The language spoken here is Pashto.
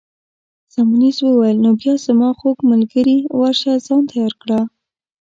سیمونز وویل: نو بیا زما خوږ ملګرې، ورشه ځان تیار کړه.